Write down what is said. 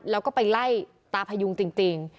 แล้วก็ไปไล่ตาพยุงจริง